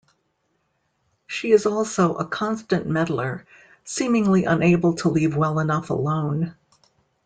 She is also a constant meddler, seemingly unable to leave well enough alone.